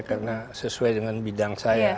karena sesuai dengan bidang saya